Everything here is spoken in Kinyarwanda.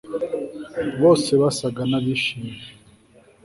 Bose basaga nabishimye